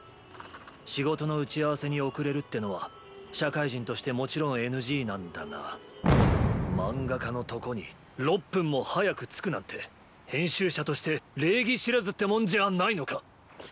仕事の打ち合わせに遅れるってのは社会人としてもちろんＮＧなんだが漫画家のとこに「６分」も早く着くなんて編集者として礼儀知らずってもんじゃあないのかッ？